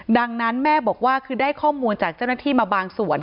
ดังนั้นแม่บอกว่าคือได้ข้อมูลจากเจ้าหน้าที่มาบางส่วน